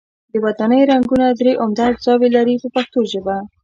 د ودانیو رنګونه درې عمده اجزاوې لري په پښتو ژبه.